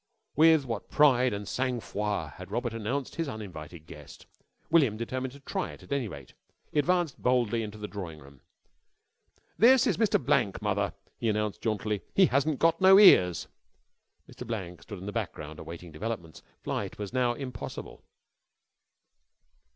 With what pride and sang froid had Robert announced his uninvited guest! William determined to try it, at any rate. He advanced boldly into the drawing room. "This is Mr. Blank, mother," he announced jauntily. "He hasn't got no ears." Mr. Blank stood in the background, awaiting developments. Flight was now impossible.